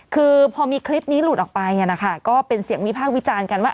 คือพอมีคลิปนี้หลุดออกไปนะคะก็เป็นเสียงวิพากษ์วิจารณ์กันว่า